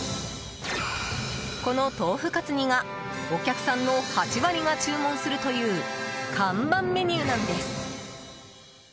この豆腐かつ煮がお客さんの８割が注文するという看板メニューなんです。